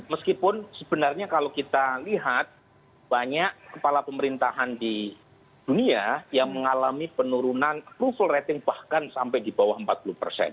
meskipun sebenarnya kalau kita lihat banyak kepala pemerintahan di dunia yang mengalami penurunan approval rating bahkan sampai di bawah empat puluh persen